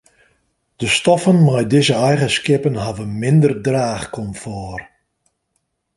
De stoffen mei dizze eigenskippen hawwe minder draachkomfort.